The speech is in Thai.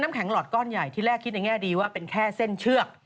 น้ำแข็งป็อตก้อญ่ายทีแรกคิดในแง่ดีว่าเป็นแค่เส้นเชือก